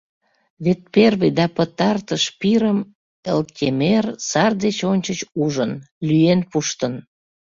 Вет первый да пытартыш пирым Элтемыр сар деч ончыч ужын, лӱен пуштын.